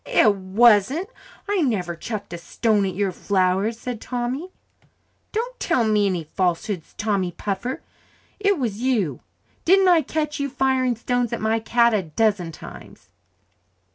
"It wasn't I never chucked a stone at your flowers," said Tommy. "Don't tell me any falsehoods, Tommy Puffer. It was you. Didn't I catch you firing stones at my cat a dozen times?"